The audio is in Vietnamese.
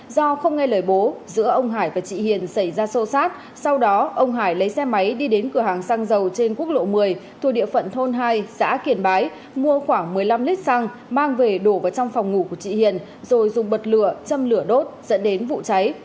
do không nghe lời bố giữa ông hải và chị hiền xảy ra sâu sát sau đó ông hải lấy xe máy đi đến cửa hàng xăng dầu trên quốc lộ một mươi thuộc địa phận thôn hai xã kiển bái mua khoảng một mươi năm lít xăng mang về đổ vào trong phòng ngủ của chị hiền rồi dùng bật lửa châm lửa đốt dẫn đến vụ cháy